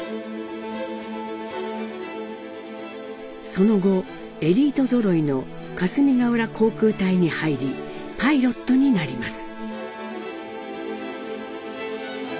その後エリートぞろいの「霞ヶ浦航空隊」に入りパイロットになります。